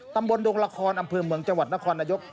ดงละครอำเภอเมืองจังหวัดนครนายก